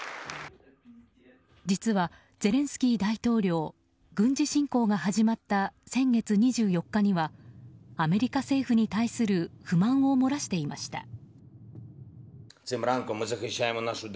実は、ゼレンスキー大統領軍事侵攻が始まった先月２４日にはアメリカ政府に対する不満を漏らしていました。